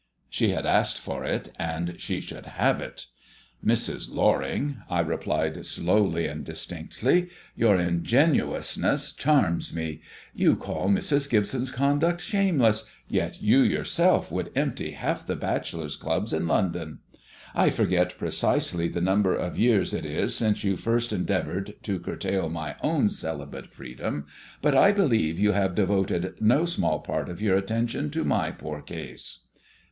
She had asked for it, and she should have it. "Mrs. Loring," I replied slowly and distinctly, "your ingenuousness charms me. You call Mrs. Gibson's conduct shameless: yet you yourself would empty half the bachelors' clubs in London. I forget precisely the number of years it is since you first endeavored to curtail my own celibate freedom, but I believe you have devoted no small part of your attention to my poor case."